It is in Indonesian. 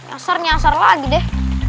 nyasar nyasar lagi deh